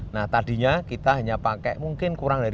nah tadinya kita hanya pakai mungkin kurang dari